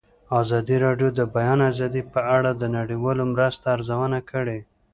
ازادي راډیو د د بیان آزادي په اړه د نړیوالو مرستو ارزونه کړې.